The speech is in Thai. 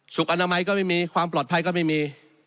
อนามัยก็ไม่มีความปลอดภัยก็ไม่มี